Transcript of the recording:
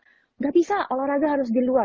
tidak bisa olahraga harus di luar